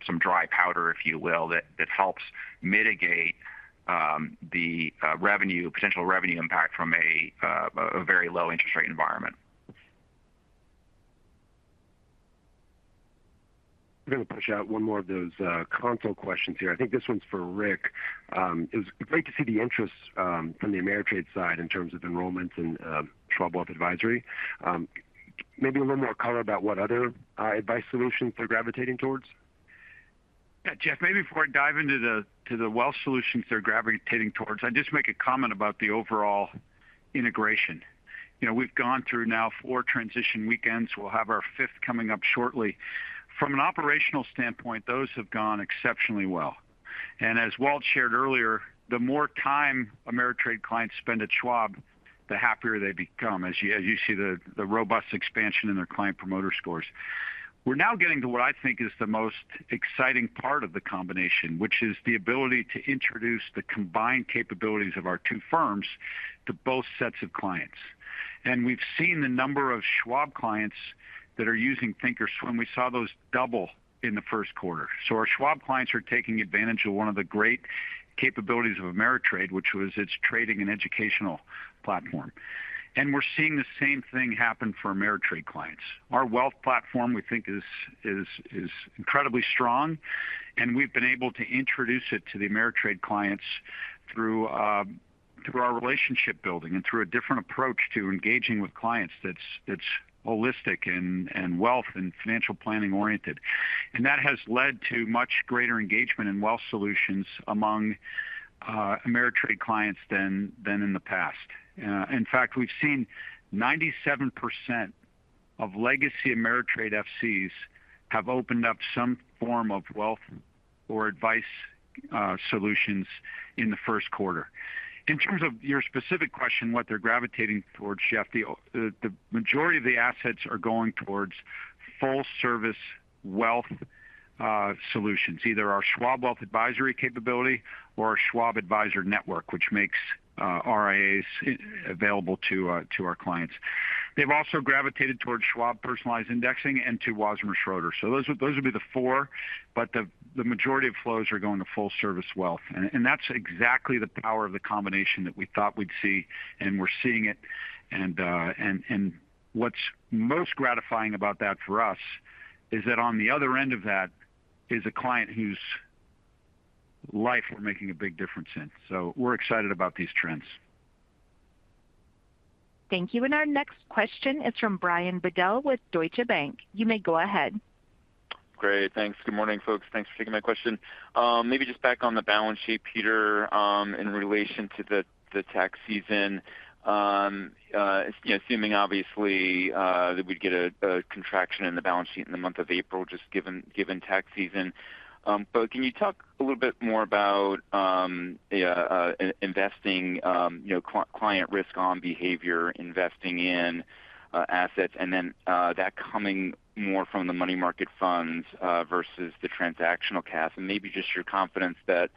some dry powder, if you will, that helps mitigate the potential revenue impact from a very low interest rate environment. I'm going to push out one more of those console questions here. I think this one's for Rick. It was great to see the interest from the Ameritrade side in terms of enrollments and Schwab Wealth Advisory. Maybe a little more color about what other advice solutions they're gravitating towards. Yeah, Jeff, maybe before I dive into the wealth solutions they're gravitating towards, I'd just make a comment about the overall integration. You know, we've gone through now four transition weekends. We'll have our fifth coming up shortly. From an operational standpoint, those have gone exceptionally well. And as Walt shared earlier, the more time Ameritrade clients spend at Schwab, the happier they become, as you see the robust expansion in their Client Promoter Scores. We're now getting to what I think is the most exciting part of the combination, which is the ability to introduce the combined capabilities of our two firms to both sets of clients. And we've seen the number of Schwab clients that are using thinkorswim. We saw those double in the first quarter. So our Schwab clients are taking advantage of one of the great capabilities of Ameritrade, which was its trading and educational platform. And we're seeing the same thing happen for Ameritrade clients. Our wealth platform, we think, is incredibly strong, and we've been able to introduce it to the Ameritrade clients through through our relationship building and through a different approach to engaging with clients that's holistic and wealth and financial planning oriented. And that has led to much greater engagement in wealth solutions among Ameritrade clients than in the past. In fact, we've seen 97% of legacy Ameritrade FCs have opened up some form of wealth or advice solutions in the first quarter. In terms of your specific question, what they're gravitating towards, Jeff, the majority of the assets are going towards full-service wealth solutions, either our Schwab Wealth Advisory capability or our Schwab Advisor Network, which makes RIAs available to our clients. They've also gravitated towards Schwab Personalized Indexing and to Wasmer Schroeder. So those would be the four, but the majority of flows are going to full-service wealth. And that's exactly the power of the combination that we thought we'd see, and we're seeing it. And what's most gratifying about that for us is that on the other end of that is a client whose life we're making a big difference in. So we're excited about these trends. Thank you. Our next question is from Brian Bedell with Deutsche Bank. You may go ahead. Great. Thanks. Good morning, folks. Thanks for taking my question. Maybe just back on the balance sheet, Peter, in relation to the tax season. You know, assuming obviously that we'd get a contraction in the balance sheet in the month of April, just given tax season. But can you talk a little bit more about investing, you know, client risk-on behavior, investing in assets, and then that coming more from the money market funds versus the transactional cash? And maybe just your confidence that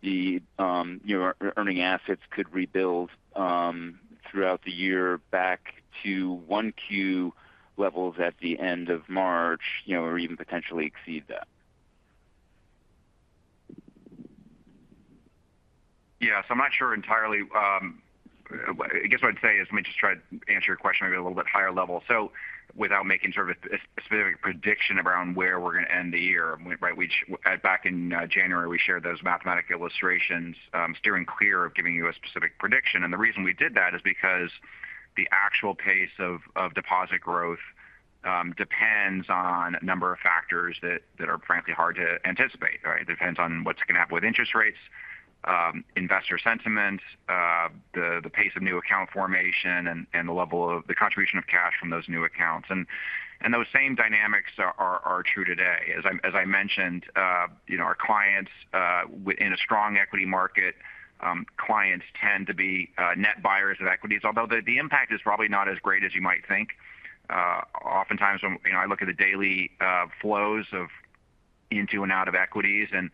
your earning assets could rebuild throughout the year back to 1Q levels at the end of March, you know, or even potentially exceed that. Yeah. So I'm not sure entirely. I guess what I'd say is, let me just try to answer your question maybe a little bit higher level. So without making sort of a specific prediction around where we're going to end the year, right? We, back in January, we shared those mathematical illustrations, steering clear of giving you a specific prediction. And the reason we did that is because the actual pace of deposit growth depends on a number of factors that are frankly hard to anticipate, right? Depends on what's going to happen with interest rates, investor sentiment, the pace of new account formation and the level of the contribution of cash from those new accounts. And those same dynamics are true today. As I mentioned, you know, our clients in a strong equity market, clients tend to be net buyers of equities, although the impact is probably not as great as you might think. Oftentimes when, you know, I look at the daily flows of into and out of equities, and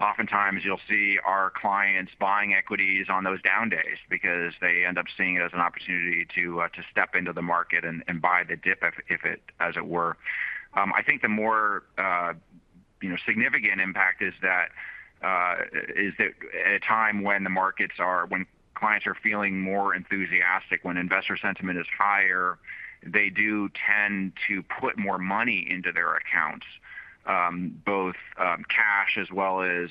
oftentimes you'll see our clients buying equities on those down days because they end up seeing it as an opportunity to step into the market and buy the dip if it, as it were. I think the more, you know, significant impact is that at a time when clients are feeling more enthusiastic, when investor sentiment is higher. They do tend to put more money into their accounts, both cash as well as,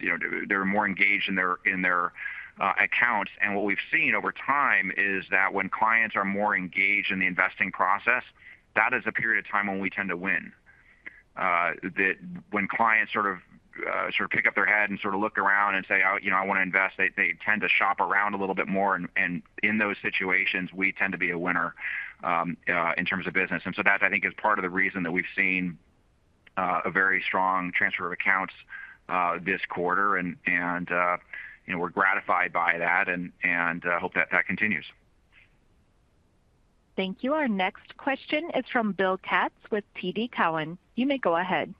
you know, they're more engaged in their accounts. And what we've seen over time is that when clients are more engaged in the investing process, that is a period of time when we tend to win. That when clients sort of pick up their head and sort of look around and say, "Oh, you know, I want to invest," they tend to shop around a little bit more, and in those situations, we tend to be a winner in terms of business. And so that, I think, is part of the reason that we've seen a very strong transfer of accounts this quarter. And you know, we're gratified by that and hope that that continues. Thank you. Our next question is from Bill Katz with TD Cowen. You may go ahead.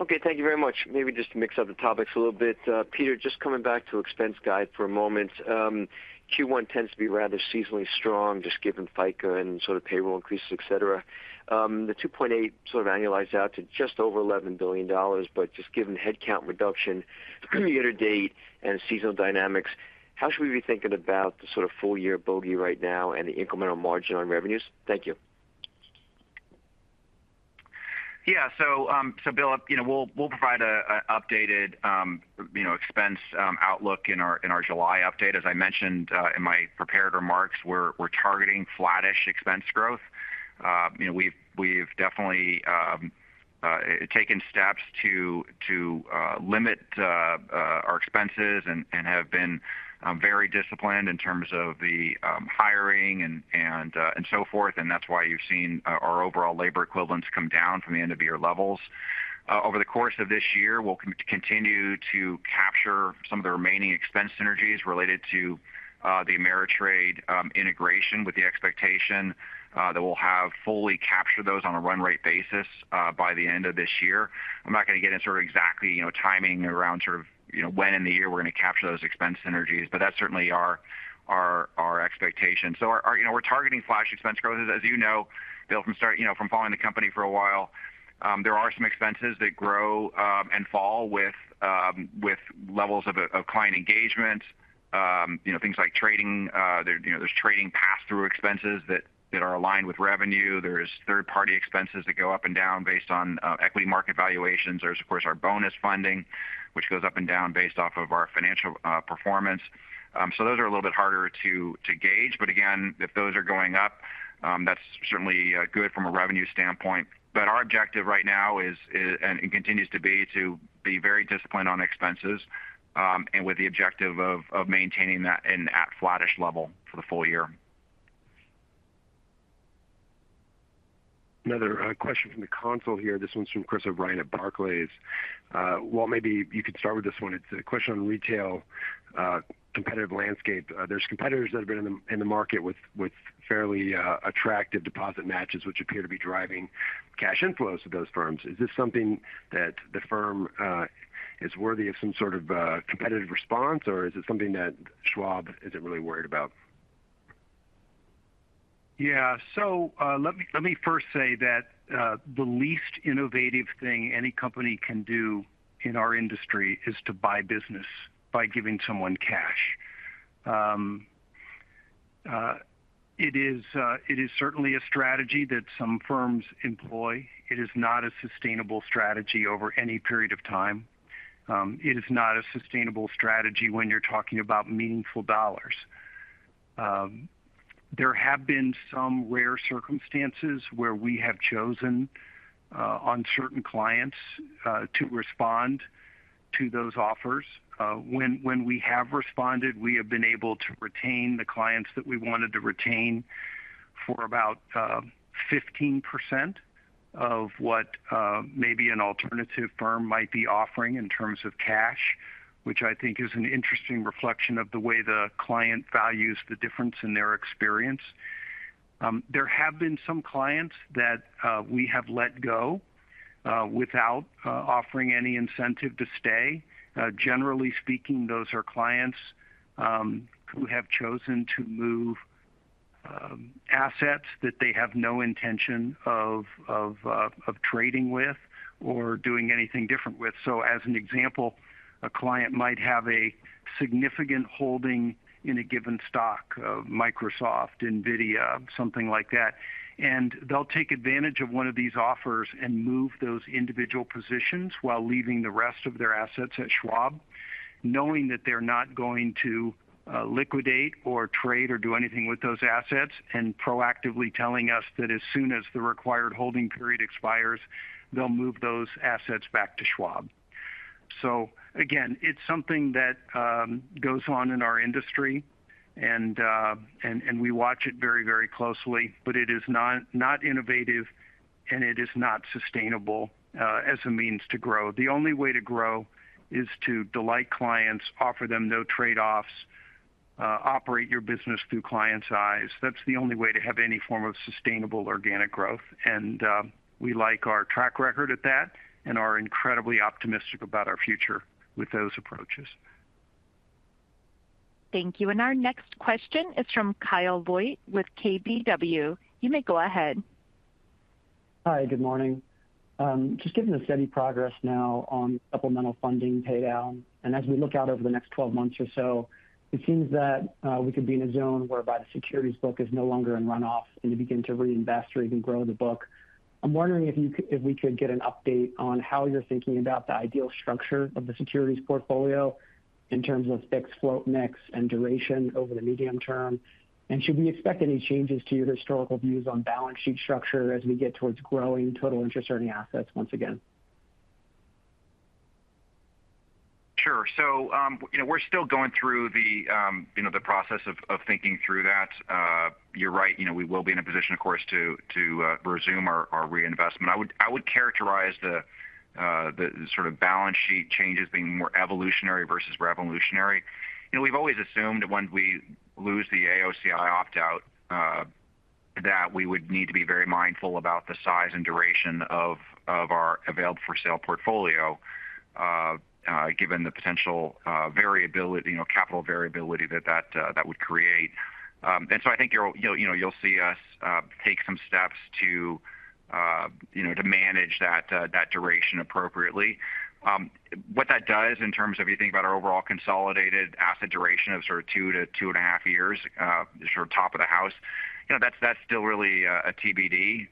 Okay, thank you very much. Maybe just to mix up the topics a little bit. Peter, just coming back to expense guide for a moment. Q1 tends to be rather seasonally strong, just given FICA and sort of payroll increases, etc. The $2.8 billion sort of annualize out to just over $11 billion, but just given the headcount reduction year-to-date and seasonal dynamics, how should we be thinking about the sort of full year bogey right now and the incremental margin on revenues? Thank you. Yeah. So, Bill, you know, we'll provide an updated expense outlook in our July update. As I mentioned in my prepared remarks, we're targeting flattish expense growth. You know, we've definitely taken steps to limit our expenses and have been very disciplined in terms of the hiring and so forth, and that's why you've seen our overall labor equivalents come down from the end-of-year levels. Over the course of this year, we'll continue to capture some of the remaining expense synergies related to the Ameritrade integration, with the expectation that we'll have fully captured those on a run rate basis by the end of this year. I'm not going to get into sort of exactly, you know, timing around sort of, you know, when in the year we're going to capture those expense synergies, but that's certainly our expectation. So, you know, we're targeting flat expense growth, as you know, Bill, from following the company for a while. There are some expenses that grow and fall with levels of client engagement. You know, things like trading, there, you know, there's trading pass-through expenses that are aligned with revenue. There's third-party expenses that go up and down based on equity market valuations. There's, of course, our bonus funding, which goes up and down based off of our financial performance. So those are a little bit harder to gauge, but again, if those are going up, that's certainly good from a revenue standpoint. But our objective right now is, and it continues to be, to be very disciplined on expenses, and with the objective of maintaining that in at flattish level for the full year. Another question from the console here. This one's from Chris O'Brien at Barclays. Walt, maybe you could start with this one. It's a question on retail competitive landscape. There's competitors that have been in the market with fairly attractive deposit matches, which appear to be driving cash inflows to those firms. Is this something that the firm is worthy of some sort of competitive response, or is it something that Schwab isn't really worried about? Yeah, so, let me, let me first say that the least innovative thing any company can do in our industry is to buy business by giving someone cash. It is certainly a strategy that some firms employ. It is not a sustainable strategy over any period of time. It is not a sustainable strategy when you're talking about meaningful dollars. There have been some rare circumstances where we have chosen, on certain clients, to respond to those offers. When we have responded, we have been able to retain the clients that we wanted to retain for about 15% of what maybe an alternative firm might be offering in terms of cash, which I think is an interesting reflection of the way the client values the difference in their experience. There have been some clients that we have let go without offering any incentive to stay. Generally speaking, those are clients who have chosen to move assets that they have no intention of trading with or doing anything different with. So as an example, a client might have a significant holding in a given stock of Microsoft, Nvidia, something like that, and they'll take advantage of one of these offers and move those individual positions while leaving the rest of their assets at Schwab, knowing that they're not going to liquidate or trade, or do anything with those assets, and proactively telling us that as soon as the required holding period expires, they'll move those assets back to Schwab. So again, it's something that goes on in our industry, and we watch it very, very closely, but it is not, not innovative, and it is not sustainable as a means to grow. The only way to grow is to delight clients, offer them no trade-offs, operate your business through clients' eyes. That's the only way to have any form of sustainable organic growth, and we like our track record at that and are incredibly optimistic about our future with those approaches. Thank you. Our next question is from Kyle Voigt with KBW. You may go ahead. Hi, good morning. Just given the steady progress now on supplemental funding paydown, and as we look out over the next 12 months or so, it seems that we could be in a zone whereby the securities book is no longer in runoff and you begin to reinvest or even grow the book. I'm wondering if we could get an update on how you're thinking about the ideal structure of the securities portfolio in terms of fixed float mix and duration over the medium term. And should we expect any changes to your historical views on balance sheet structure as we get towards growing total interest earning assets once again? Sure. So, you know, we're still going through the, you know, the process of thinking through that. You're right, you know, we will be in a position, of course, to resume our reinvestment. I would characterize the sort of balance sheet changes being more evolutionary versus revolutionary. You know, we've always assumed that once we lose the AOCI opt-out, that we would need to be very mindful about the size and duration of our available-for-sale portfolio, given the potential variability, you know, capital variability that that would create. And so I think you're, you know, you'll see us take some steps to, you know, to manage that duration appropriately. What that does in terms of if you think about our overall consolidated asset duration of sort of 2-2.5 years, sort of top of the house, you know, that's, that's still really a TBD.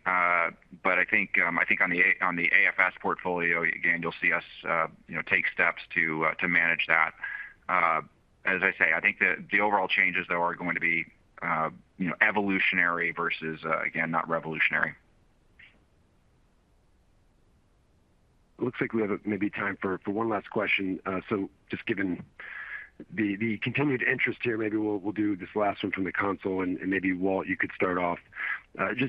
But I think, I think on the AFS portfolio, again, you'll see us, you know, take steps to to manage that. As I say, I think the, the overall changes, though, are going to be, you know, evolutionary versus, again, not revolutionary. Looks like we have maybe time for one last question. So just given the continued interest here, maybe we'll do this last one from the console, and maybe, Walt, you could start off.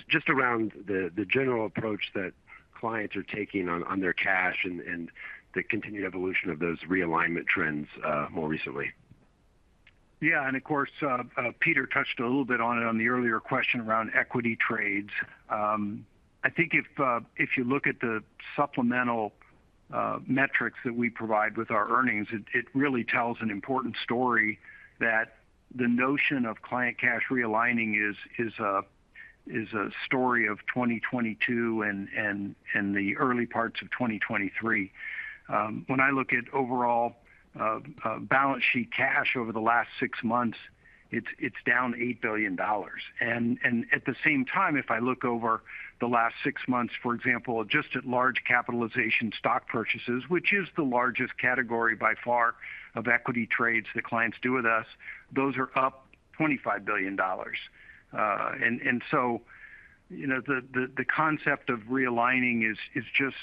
Just around the general approach that clients are taking on their cash and the continued evolution of those realignment trends more recently. Yeah, and of course, Peter touched a little bit on it on the earlier question around equity trades. I think if you look at the supplemental metrics that we provide with our earnings, it really tells an important story that the notion of client cash realigning is a story of 2022 and the early parts of 2023. When I look at overall balance sheet cash over the last six months, it's down $8 billion. And at the same time, if I look over the last six months, for example, just at large capitalization stock purchases, which is the largest category by far of equity trades that clients do with us, those are up $25 billion. So, you know, the concept of realigning is just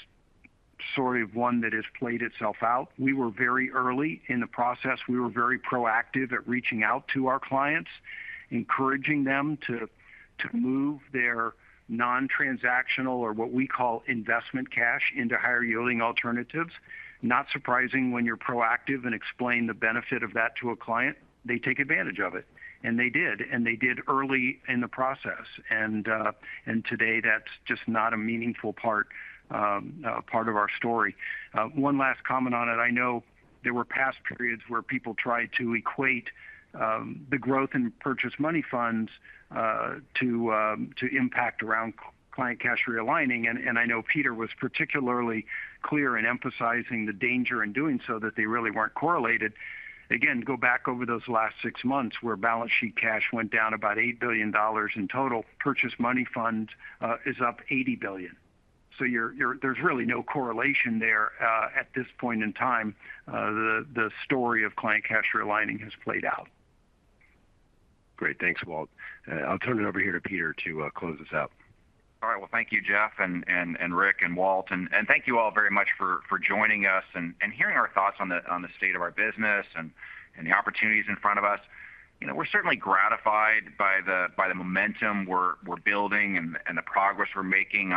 sort of one that has played itself out. We were very early in the process. We were very proactive at reaching out to our clients, encouraging them to move their non-transactional, or what we call investment cash, into higher-yielding alternatives. Not surprising when you're proactive and explain the benefit of that to a client, they take advantage of it. And they did early in the process, and today that's just not a meaningful part of our story. One last comment on it. I know there were past periods where people tried to equate the growth in Purchased Money Funds to impact around client cash realigning, and I know Peter was particularly clear in emphasizing the danger in doing so, that they really weren't correlated. Again, go back over those last six months, where balance sheet cash went down about $8 billion in total. Purchased Money Funds is up $80 billion. So, you're, there's really no correlation there at this point in time. The story of client cash realigning has played out. Great. Thanks, Walt. I'll turn it over here to Peter to close us out. All right. Well, thank you, Jeff and Rick and Walt. Thank you all very much for joining us and hearing our thoughts on the state of our business and the opportunities in front of us. You know, we're certainly gratified by the momentum we're building and the progress we're making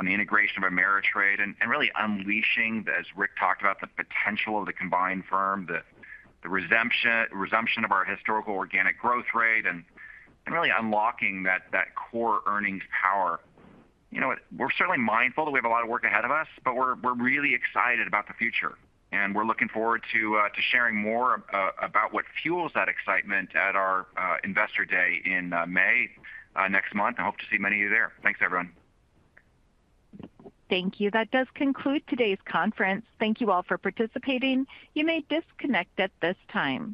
on the integration of Ameritrade, and really unleashing, as Rick talked about, the potential of the combined firm, the resumption of our historical organic growth rate and really unlocking that core earnings power. You know what? We're certainly mindful that we have a lot of work ahead of us, but we're really excited about the future, and we're looking forward to sharing more about what fuels that excitement at our Investor Day in May next month. I hope to see many of you there. Thanks, everyone. Thank you. That does conclude today's conference. Thank you all for participating. You may disconnect at this time.